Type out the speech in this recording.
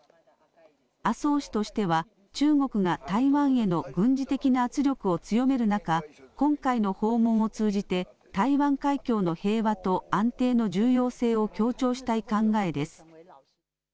麻生氏としては、中国が台湾への軍事的な圧力を強める中、今回の訪問を通じて台湾海峡の平和と安定の重要性を強調したい考えです。